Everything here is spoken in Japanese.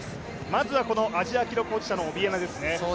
まずはアジア記録保持者のオビエナですね。